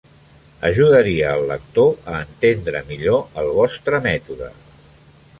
Ajudaria al lector a entendre millor el vostre mètode.